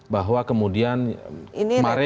bahwa kemudian kemarin